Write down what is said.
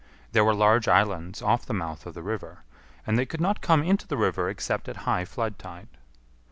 There were large islands off the mouth of the river, and they could not come into the river except at high flood tide.